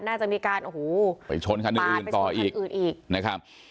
น่าจะมีการโอ้โหไปชนคันอื่นต่ออีกนะครับ